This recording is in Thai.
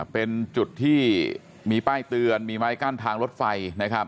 เป็นจุดที่มีป้ายเตือนมีไม้กั้นทางรถไฟนะครับ